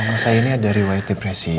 mama saya ini ada rewet depresi